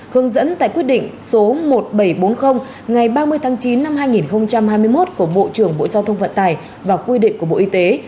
hướng dẫn tại quyết định số một nghìn bảy trăm bốn mươi ngày ba mươi tháng chín năm hai nghìn hai mươi một của bộ trưởng bộ giao thông vận tài và quy định của bộ y tế